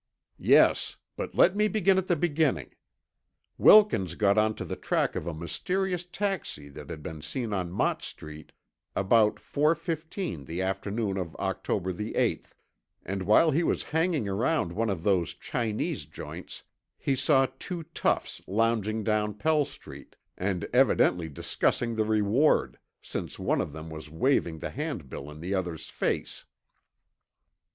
"Yes. But let me begin at the beginning. Wilkins got onto the track of a mysterious taxi that had been seen on Mott Street about four fifteen the afternoon of October the eighth, and while he was hanging around one of those Chinese joints, he saw two toughs lounging down Pell Street, and evidently discussing the reward, since one of them was waving the hand bill in the other's face.